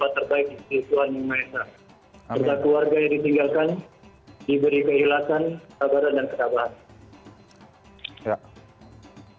sebagai keluarga yang ditinggalkan diberi kehilangan kekhidmatan dan ketakuan